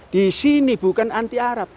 di sini bukan anti arab